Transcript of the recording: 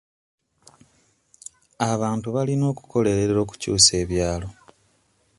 Abantu balina okukolerera okukyusa ebyalo.